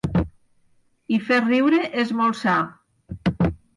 I fer riure és molt sa.